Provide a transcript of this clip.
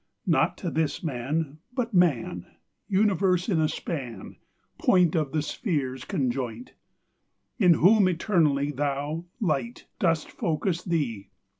Not to this man, but Man, Universe in a span; Point Of the spheres conjoint; In whom eternally Thou, Light, dost focus Thee!